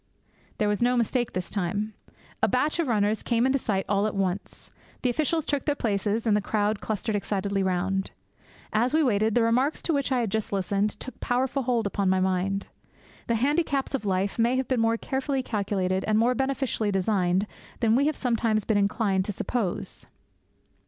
There was no mistake this time. A batch of runners came into sight all at once, the officials took their places, and the crowd clustered excitedly round. As we waited, the remarks to which I had just listened took powerful hold upon my mind. The handicaps of life may have been more carefully calculated and more beneficently designed than we have sometimes been inclined to suppose.